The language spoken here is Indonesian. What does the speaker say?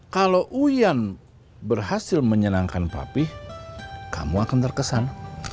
kalau urian berhasil menyenangkan papih kamu akan terkesan